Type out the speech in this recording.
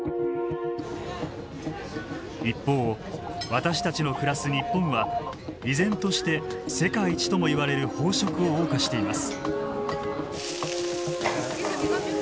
一方私たちの暮らす日本は依然として世界一ともいわれる飽食を謳歌しています。